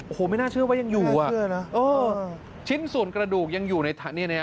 โอ้โฮไม่น่าเชื่อว่ายังอยู่อ่ะชิ้นศูนย์กระดูกยังอยู่ในทางนี้